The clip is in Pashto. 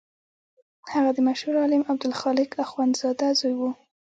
هغه د مشهور عالم عبدالخالق اخوندزاده زوی و.